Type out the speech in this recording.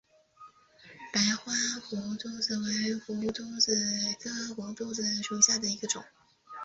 白花胡颓子为胡颓子科胡颓子属下的一个种。